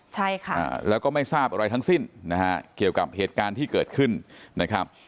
ใช่ค่ะแล้วก็ไม่ทราบอะไรทั้งสิ้นนะฮะเกี่ยวกับเหตุการณ์ที่เกิดขึ้นนะครับ